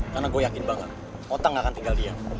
karena gue yakin banget otang gak akan tinggal diam